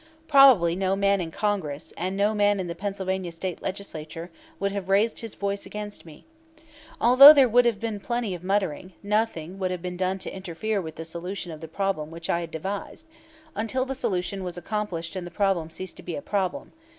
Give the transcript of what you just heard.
Probably no man in Congress, and no man in the Pennsylvania State Legislature, would have raised his voice against me. Although there would have been plenty of muttering, nothing would have been done to interfere with the solution of the problem which I had devised, until the solution was accomplished and the problem ceased to be a problem.